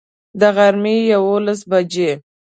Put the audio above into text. د غرمي یوولس بجي